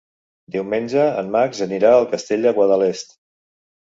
Diumenge en Max anirà al Castell de Guadalest.